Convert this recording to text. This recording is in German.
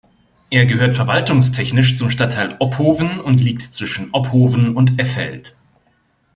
Er gehört verwaltungstechnisch zum Stadtteil Ophoven und liegt zwischen Ophoven und Effeld.